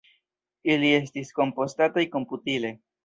Ili estis kompostataj komputile.